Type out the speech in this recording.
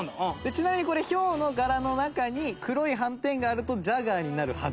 ちなみにこれヒョウの柄の中に黒い斑点があるとジャガーになるはず。